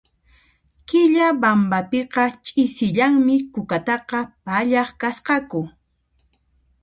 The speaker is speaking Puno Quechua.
Quillabambapiqa ch'isillanmi kukata pallaq kasqaku